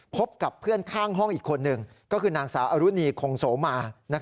พบกับเพื่อนข้างห้องอีกคนหนึ่งก็คือนางสาวอรุณีคงโสมา